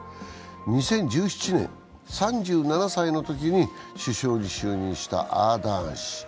２０１７年、３７歳のときに首相に就任したアーダーン氏。